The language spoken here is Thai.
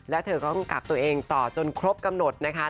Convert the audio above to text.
แล้วเธอก็ต้องกักตัวเองต่อจนครบกำหนดนะคะ